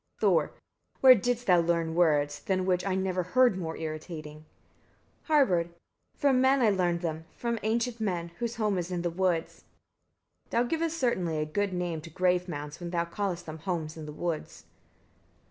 Thor. 43. Where didst thou learn words than which I never heard more irritating? Harbard. 44. From men I learned them, from ancient men, whose home is in the woods. Thor. 45. Thou givest certainly a good name to grave mounds, when thou callest them, homes in the woods.